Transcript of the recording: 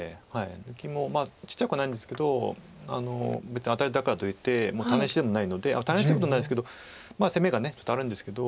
抜きもちっちゃくはないんですけど別にアタリだからといってタネ石でもないので。タネ石ってことないですけどまだ攻めがちょっとあるんですけど。